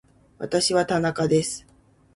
私は田中です